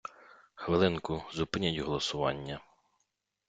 Хвилинку, зупиніть голосування!